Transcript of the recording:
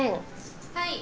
はい。